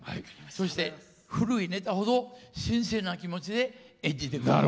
そして、古いネタほど新鮮な気持ちで演じていく。